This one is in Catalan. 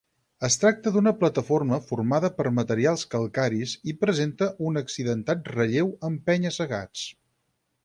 Es tracta d'una plataforma formada per materials calcaris i presenta un accidentat relleu amb penya-segats.